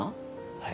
はい。